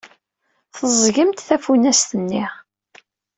Teẓẓgemt tafunast-nni.